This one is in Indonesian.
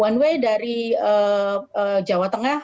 one way dari jawa tengah menuju ke jawa tengah